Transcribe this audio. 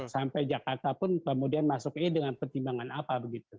sampai jakarta pun kemudian masuk ini dengan pertimbangan apa begitu